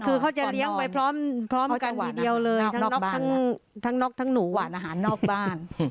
คือเขาจะเลี้ยงไปพร้อมกันทีเดียวเลยทั้งน็อกทั้งน็อกทั้งหนูหวานอาหารนอกบ้าน